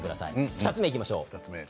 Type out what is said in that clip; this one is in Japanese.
２つ目いきましょう。